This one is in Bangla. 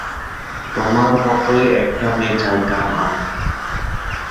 তোমার মতোই একটা মেয়ে চাইতাম আমি।